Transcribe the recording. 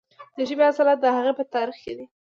د ژبې اصالت د هغې په تاریخ کې دی.